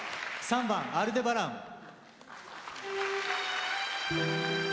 ３番「アルデバラン」。